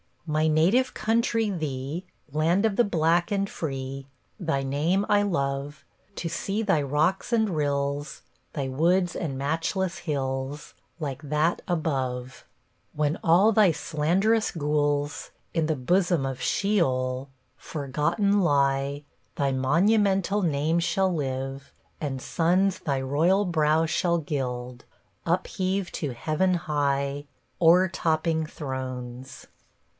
My native country, thee, Land of the black and free, Thy name I love; To see thy rocks and rills, Thy woods and matchless hills, Like that above. When all thy slanderous ghouls, In the bosom of sheol, Forgotten lie, Thy monumental name shall live, And suns thy royal brow shall gild, Upheaved to heaven high, O'ertopping thrones.